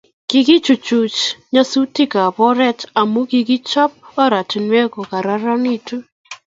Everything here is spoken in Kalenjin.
Kikochuchuch nyasutiet ab oret amu kikechob oratinwek kokararanitu